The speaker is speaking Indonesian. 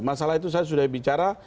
masalah itu saya sudah bicara